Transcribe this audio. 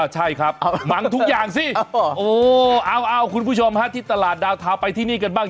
ใช่ครับมังทุกอย่างสิโอ้เอาคุณผู้ชมฮะที่ตลาดดาวทาไปที่นี่กันบ้าง